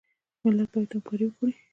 ملت باید همکاري وکړي